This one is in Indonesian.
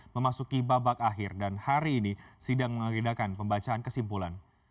memasuki babak akhir dan hari ini sidang mengagendakan pembacaan kesimpulan